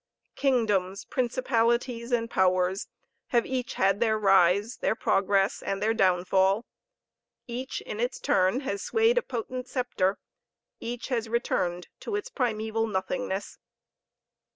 Kingdoms, principalities, and powers, have each had their rise, their progress, and their downfall; each in its turn has swayed a potent sceptre; each has returned to its primeval nothingness.